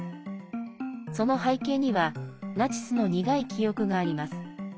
その背景にはナチスの苦い記憶があります。